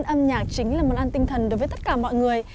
âm nhạc chính là món ăn tinh thần đối với tất cả mọi người